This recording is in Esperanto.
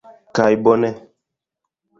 Kaj... bone!